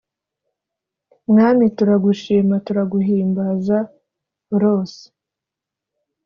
Mwami turagushima turaguhimbaza rose